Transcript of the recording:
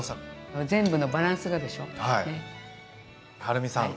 はるみさん。